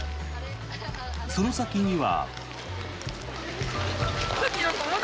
その先には。